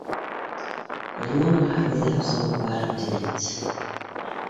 Ғилман ағаһы үҙе яусы булып барам тине бит